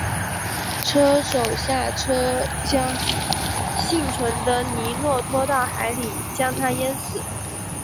车手下车将幸存的尼诺拖到海里将他淹死。